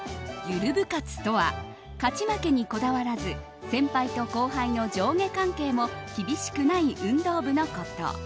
ゆる部活とは勝ち負けにこだわらず先輩と後輩の上下関係も厳しくない運動部のこと。